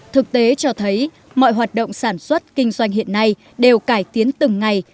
thực tế cho thấy mọi hoạt động sản xuất kinh doanh hiện nay đều cải tiến từng ngày